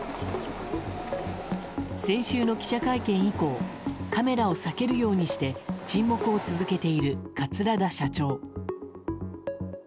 先週の記者会見以降カメラを避けるようにして沈黙を続けている桂田社長。